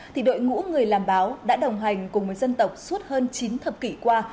thì đội ngũ người làm báo đã đồng hành cùng với dân tộc suốt hơn chín thập kỷ qua